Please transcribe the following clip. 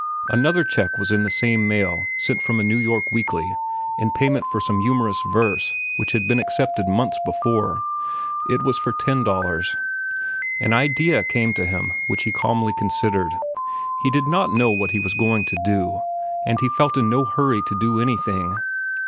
Another check was in the same mail, sent from a New York weekly in payment for some humorous verse which had been accepted months before. It was for ten dollars. An idea came to him, which he calmly considered. He did not know what he was going to do, and he felt in no hurry to do anything.